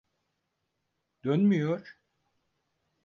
Dönmüyor.